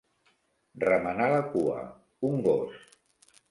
Remenar la cua, un gos.